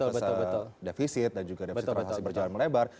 juga ada defisit dan juga defisit terhadap perjalanan melebar